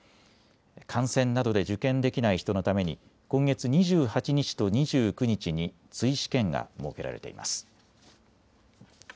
感染などで受験できない人のために今月２８日と２９日に追試験が設けられています。